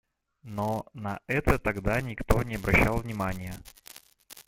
Но на это тогда никто не обращал внимание.